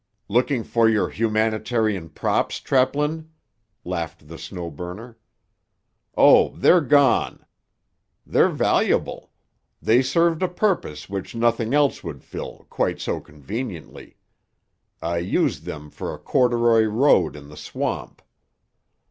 "Looking for your humanitarian props, Treplin?" laughed the Snow Burner. "Oh, they're gone; they're valuable; they served a purpose which nothing else would fill—quite so conveniently. I used them for a corduroy road in the swamp.